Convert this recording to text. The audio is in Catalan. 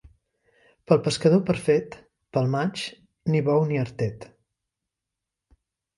Pel pescador perfet, pel maig, ni bou ni artet.